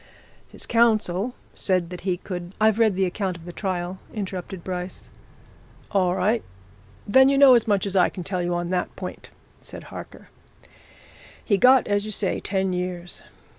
His counsel said that he could " "I've read the account of the trial," interrupted Bryce. "All right then you know as much as I can tell you on that point," said Harker. "He got, as you say, ten years.